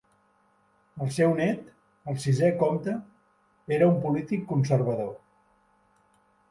El seu nét, el sisè comte, era un polític conservador.